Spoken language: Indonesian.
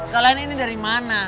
kalian ini dari mana